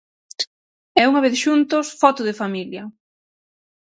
E unha vez xuntos, foto de familia.